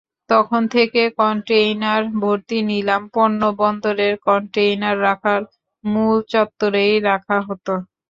তখন থেকে কনটেইনার-ভর্তি নিলাম পণ্য বন্দরের কনটেইনার রাখার মূল চত্বরেই রাখা হতো।